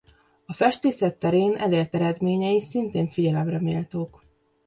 A festészet terén elért eredményei szintén figyelemreméltók.